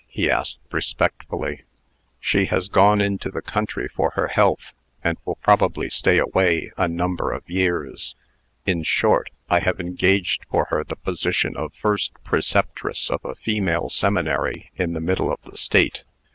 he asked, respectfully. "She has gone into the country for her health, and will probably stay away a number of years. In short, I have engaged for her the position of first preceptress of a female seminary in the middle of the State.